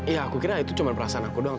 ya aku kira itu cuma perasaan aku doang